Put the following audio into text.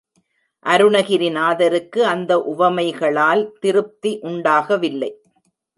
அருணகிரிநாதருக்கு அந்த உவமைகளால் திருப்தி உண்டாகவில்லை.